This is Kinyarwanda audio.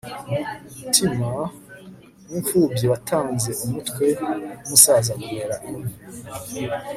umutima w'imfubyi watanze umutwe w'umusaza kumera imvi